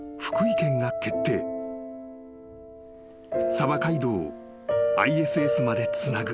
［鯖街道をＩＳＳまでつなぐ］